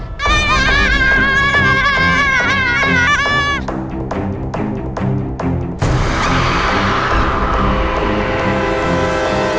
gak ada apa apa